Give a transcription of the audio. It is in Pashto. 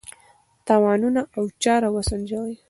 تاوانونه او چاره وسنجوي.